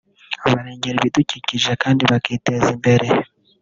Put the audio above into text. barengera ibidukikije kandi bakiteza imbere